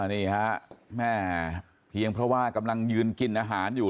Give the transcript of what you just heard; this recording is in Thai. นี่ฮะแม่เพียงเพราะว่ากำลังยืนกินอาหารอยู่